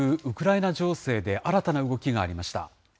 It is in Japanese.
ウクライナ情勢で、新たな動きがありました。